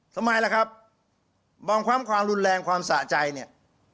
ทำไมล่ะครับมองความความรุนแรงความสะใจเนี่ย